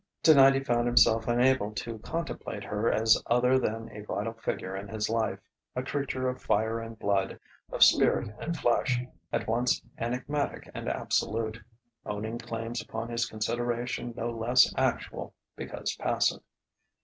Tonight he found himself unable to contemplate her as other than a vital figure in his life a creature of fire and blood, of spirit and flesh, at once enigmatic and absolute, owning claims upon his consideration no less actual because passive.